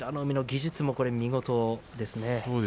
海の技術も見事ですね。